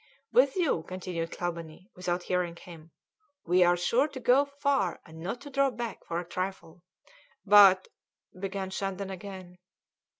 "With you," continued Clawbonny, without hearing him, "we are sure to go far and not to draw back for a trifle." "But " began Shandon again.